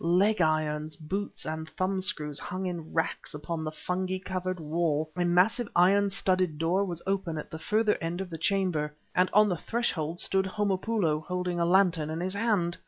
Leg irons, boots and thumb screws hung in racks upon the fungi covered wall. A massive, iron studded door was open at the further end of the chamber, and on the threshold stood Homopoulo, holding a lantern in his hand.